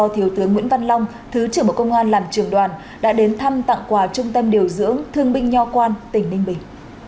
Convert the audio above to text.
thứ trưởng bộ công an làm trường đoàn đã đến thăm tặng quà trung tâm điều dưỡng thương binh nho quan tỉnh ninh bình